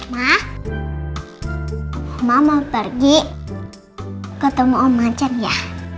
ma mama mau pergi ketemu om macem ya